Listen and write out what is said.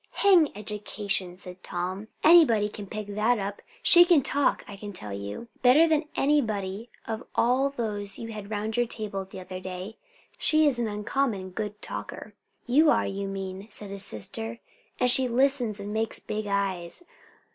"Hang education!" said Tom. "Anybody can pick that up. She can talk, I can tell you, better than anybody of all those you had round your table the other day. She's an uncommon good talker." "You are, you mean," said his sister; "and she listens and makes big eyes.